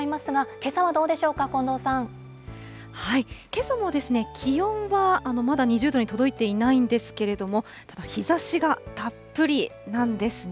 けさも気温はまだ２０度に届いていないんですけれども、ただ日ざしがたっぷりなんですね。